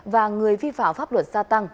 và người vi phảo pháp luật gia tăng